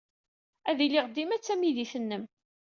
Ad iliɣ dima d tamidit-nnem.